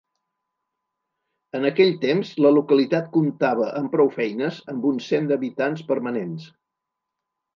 En aquell temps la localitat comptava amb prou feines amb uns cent habitants permanents.